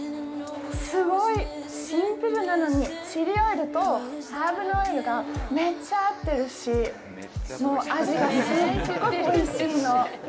すごいシンプルなのにチリオイルとハーブのオイルがめっちゃ合ってるし味がすっごくおいしいの。